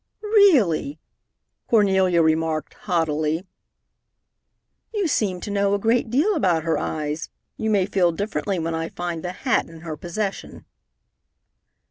"Really!" Cornelia remarked haughtily. "You seem to know a great deal about her eyes. You may feel differently when I find the hat in her possession."